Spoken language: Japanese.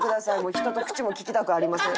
「人と口も利きたくありません」